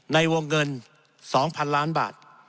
ในวงเงิน๒๐๐๐ล้านบาท